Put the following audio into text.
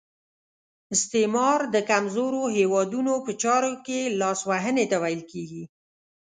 استعمار د کمزورو هیوادونو په چارو کې لاس وهنې ته ویل کیږي.